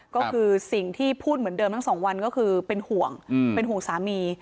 ก็คือสิ่งที่พูดเหมือนเดิมทั้งสองวันก็คือเป็นห่วงเป็นห่วงสามี